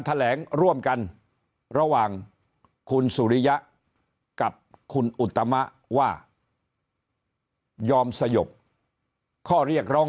แถลงร่วมกันระหว่างคุณสุริยะกับคุณอุตมะว่ายอมสยบข้อเรียกร้อง